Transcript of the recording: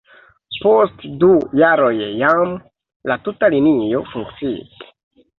Post du jaroj jam la tuta linio funkciis.